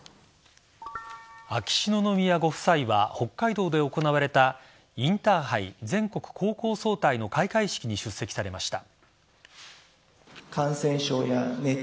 秋篠宮ご夫妻は北海道で行われたインターハイ＝全国高校総体の開会式に出席されました。